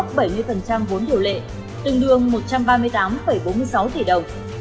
công ty nước sạch góp ba mươi vốn điều lệ tương đương một trăm ba mươi tám bốn mươi sáu tỷ đồng